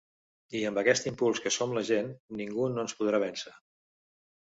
I amb aquest impuls que som la gent, ningú no ens podrà vèncer.